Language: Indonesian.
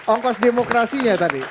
ongkos demokrasinya tadi